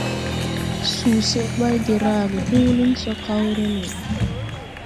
Suseʼ bày de rage huulin so kaw re no.